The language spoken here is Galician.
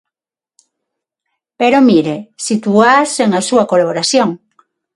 Pero mire, sitúaas sen a súa colaboración.